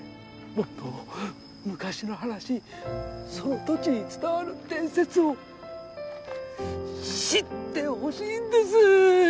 もっと昔の話その土地に伝わる伝説を知ってほしいんです！